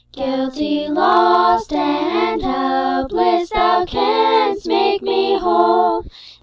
Guilty, lost, and helpless, Thou canst make me whole.